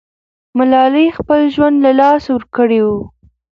ملالۍ خپل ژوند له لاسه ورکړی وو.